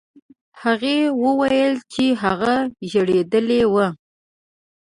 هغې وویل چې هغه ژړېدلی و.